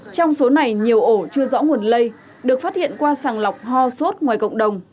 trong số này nhiều ổ chưa rõ nguồn lây được phát hiện qua sàng lọc ho sốt ngoài cộng đồng